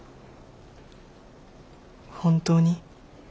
本当に？